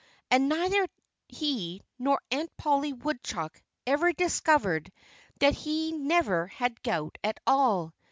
And neither he nor Aunt Polly Woodchuck ever discovered that he never had gout at all.